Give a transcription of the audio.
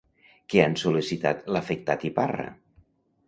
Què han sol·licitat l'afectat i Parra?